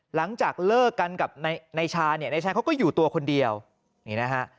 หลังจากเลิกกันกับนายชาเนี่ยนายชายเขาก็อยู่ตัวคนเดียวนี่นะฮะ